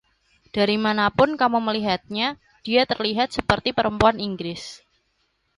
Dari manapun kamu melihatnya, dia terlihat seperti perempuan Inggris.